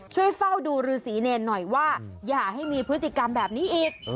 ช่วยเฝ้าดูฤษีเนรหน่อยว่าอย่าให้มีพฤติกรรมแบบนี้อีก